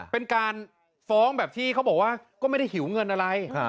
เป็นการฟ้องแบบที่เขาบอกว่าก็ไม่ได้หิวเงินอะไร